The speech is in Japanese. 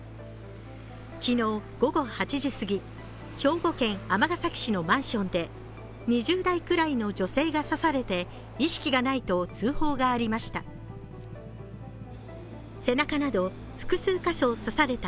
昨日、午後８時過ぎ、兵庫県尼崎市のマンションで２０代くらいの女性が刺されて意識がないと通報がありました。